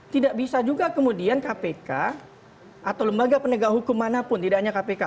tidak bisa juga kemudian kpk atau lembaga penegak hukum manapun tidak hanya kpk